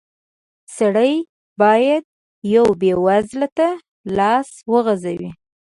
سړی بايد يوه بېوزله ته لاس وغزوي.